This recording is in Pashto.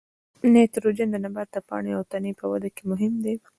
نایتروجن د نبات د پاڼې او تنې په وده کې مهم دی.